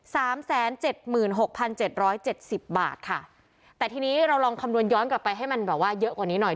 สามแสนเจ็ดหมื่นหกพันเจ็ดร้อยเจ็ดสิบบาทค่ะแต่ทีนี้เราลองคำนวณย้อนกลับไปให้มันแบบว่าเยอะกว่านี้หน่อย